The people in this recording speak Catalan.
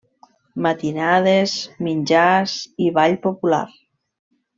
Matinades, menjars i ball popular.